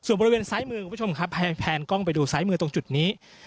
ส่วนบริเวณซ้ายมือคุณผู้ชมครับแพนกล้องไปดูซ้ายมือตรงจุดนี้